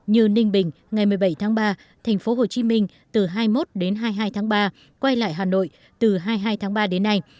từ ninh bình ngày một mươi bảy tháng ba thành phố hồ chí minh từ hai mươi một đến hai mươi hai tháng ba quay lại hà nội từ hai mươi hai tháng ba đến nay